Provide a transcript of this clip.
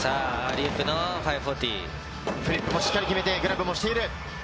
フリップもしっかり決めて、グラブもしている。